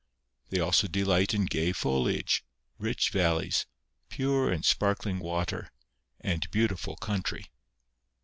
They also delight in gay foliage, rich valleys, pure and sparkling water, and beautiful country.